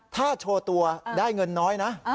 ถ้าโชว์ตัวได้เงินน้อยนะ